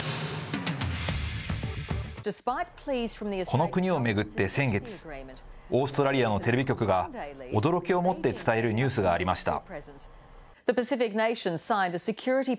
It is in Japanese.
この国を巡って先月、オーストラリアのテレビ局が驚きを持って伝えるニュースがありました。